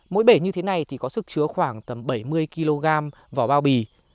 mỗi bể như thế này thì có sức chứa khoảng tầm bảy mươi kg vỏ bao bì